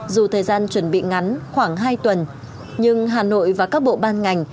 dù thời gian chuẩn bị ngắn khoảng hai tuần nhưng hà nội và các bộ ban ngành